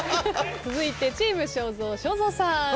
続いてチーム正蔵正蔵さん。